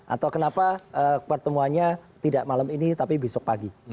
atau kenapa pertemuannya tidak malam ini tapi besok pagi